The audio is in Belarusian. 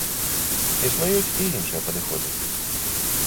Існуюць і іншыя падыходы.